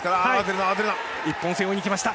一本背負いにきました。